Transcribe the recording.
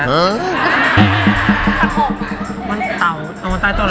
ไม่มีสัก๖มันเตาตรงต้านตัวละ